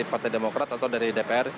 atau dari dpr